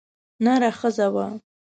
نره ښځه وه.